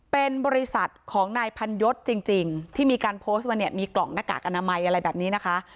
เป็นบริษัทของนายพันยศจริงที่มีการโพสต์ว่าเนี่ยมีกล่องหน้ากากอนามัยอะไรแบบนี้นะคะ